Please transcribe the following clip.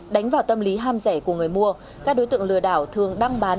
đánh vào tâm lý ham rẻ của người mua các đối tượng lừa đảo thường đăng bán